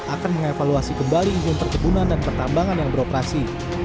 akan mengevaluasi kembali izin perkebunan dan pertambangan yang beroperasi